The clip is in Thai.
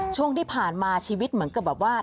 ช่วงที่ผ่านมาชีวิตเหมือนกับแบบว่า